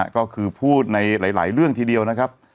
ก็คือพูดในหลายเรื่องทีเดียวนะครับ